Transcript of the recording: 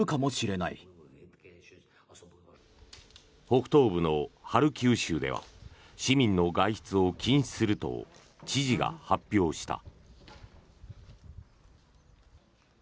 北東部のハルキウ州では市民の外出を禁止すると知事が発表した。